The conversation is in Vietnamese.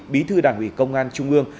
bí thư đảng ủy công an trung ương